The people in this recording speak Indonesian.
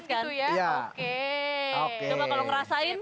coba kalau ngerasain